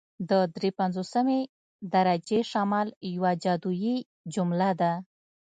د دري پنځوسمې درجې شمال یوه جادويي جمله ده